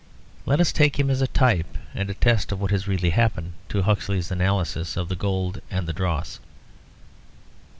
Let us take him as a type and a test of what has really happened to Huxley's analysis of the gold and the dross.